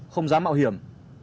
không dám mạo hiểm